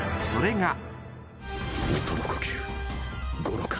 ［それが］